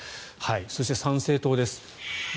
そして参政党です。